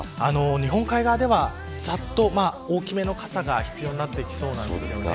日本海側では大きめの傘が必要になってきそうなんです。